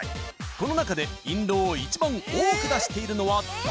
この中で印籠を一番多く出しているのは誰？